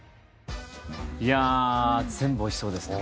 いやあ全部おいしそうですね。